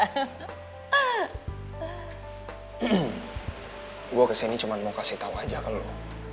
hmm gue kesini cuma mau kasih tau aja kalau